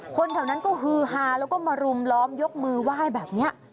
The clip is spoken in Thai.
คนแถวนั้นก็ฮือฮาแล้วก็มารุมล้อมยกมือไหว้แบบนี้